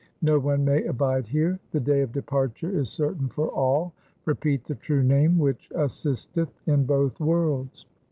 No one may abide here. The day of departure is certain for all. Repeat the true Name which assisteth in both worlds.